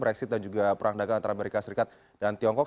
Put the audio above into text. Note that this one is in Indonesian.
brexit dan juga perang dagang antara amerika serikat dan tiongkok